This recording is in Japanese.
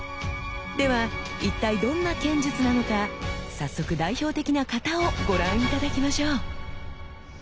では一体どんな剣術なのか早速代表的な「型」をご覧頂きましょう！